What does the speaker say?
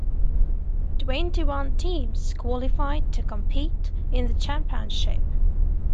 Twenty one teams qualified to compete in the championship.